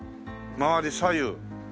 周り左右。